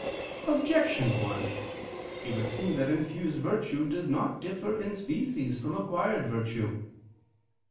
Objection 1: It would seem that infused virtue does not differ in species from acquired virtue.